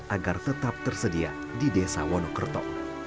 agar tetap tersedia di desa wonokerto